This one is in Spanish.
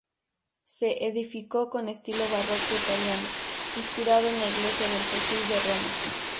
Se edificó con estilo barroco italiano, inspirado en la iglesia del Gesù de Roma.